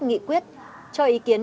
hai mươi một nghị quyết cho ý kiến